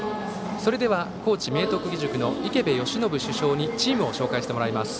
それでは、高知・明徳義塾の池邉由伸主将にチームを紹介してもらいます。